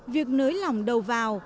việc nới lỏng đầu vào